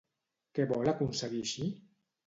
Què vol aconseguir així?